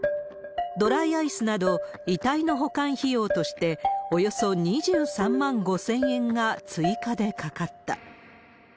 ドライアイスなど、遺体の保管費用として、およそ２３万５０００円が追加でかかった。